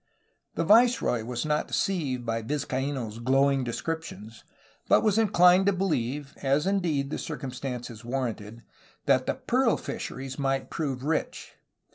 The viceroy was not deceived by Vizcaino's glowing descrip tions, but was inclined to believe (as indeed the circum stances warranted) that the pearl fisheries might prove rich.